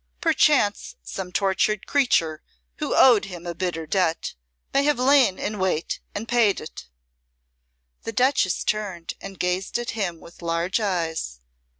Perchance some tortured creature who owed him a bitter debt may have lain in wait and paid it." The Duchess turned and gazed at him with large eyes.